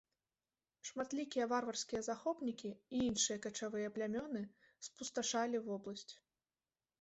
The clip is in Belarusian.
Шматлікія варварскія захопнікі і іншыя качавыя плямёны спусташалі вобласць.